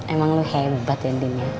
emang lu hebat ya